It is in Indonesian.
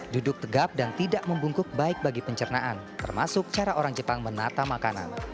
duduk tegap dan tidak membungkuk baik bagi pencernaan termasuk cara orang jepang menata makanan